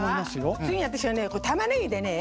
次に私はねたまねぎでねえ